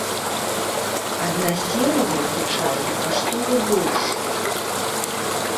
Адна серыя звычайна каштуе больш.